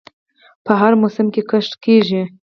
په هر موسم کې کښت کیږي.